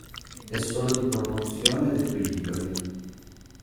È solo di propulsione ed equilibrio.